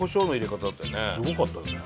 すごかったよね。